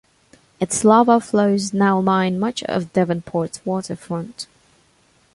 Its lava flows now line much of Devonport's waterfront.